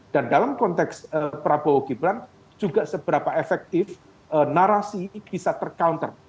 dan dalam konteks prabowo gibran juga seberapa efektif narasi ini bisa ter counter